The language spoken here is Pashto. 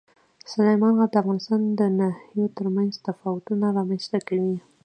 سلیمان غر د افغانستان د ناحیو ترمنځ تفاوتونه رامنځ ته کوي.